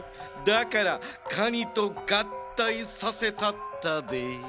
だからカニとがったいさせたったで。